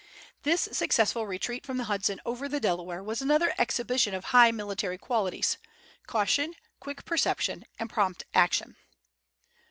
This successful retreat from the Hudson over the Delaware was another exhibition of high military qualities, caution, quick perception, and prompt action.